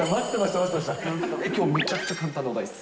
きょうめちゃくちゃ簡単なお題です。